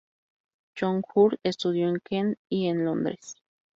John Hurt estudió en Kent y en Londres.